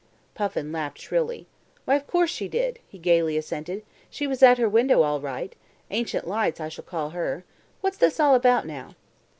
Puffin laughed shrilly. "Why, of course she did," he gaily assented. "She was at her window all right. Ancient Lights, I shall call her. What's this all about now?"